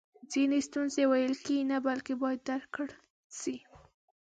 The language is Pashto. ځینې ستونزی ویل کیږي نه بلکې باید درک کړل سي!